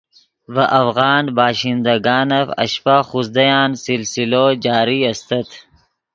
ڤے افغان باشندگانف اشپہ خوزدَیان سلسلو جاری استت